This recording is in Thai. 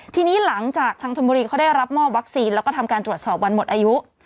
ทีนี้หลังจากทางธนบุรีเขาได้รับมอบวัคซีนแล้วก็ทำการตรวจสอบวันหมดอายุ